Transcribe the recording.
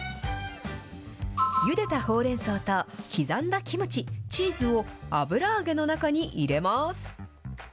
ゆでたほうれんそうと刻んだキムチ、チーズを、油揚げの中に入れます。